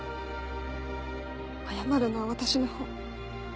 謝るのは私の方。